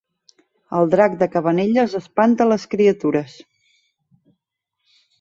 El drac de Cabanelles espanta les criatures